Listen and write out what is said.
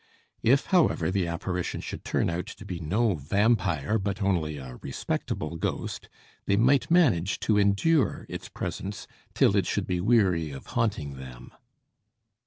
If, however, the apparition should turn out to be no vampire, but only a respectable ghost, they might manage to endure its presence, till it should be weary of haunting them.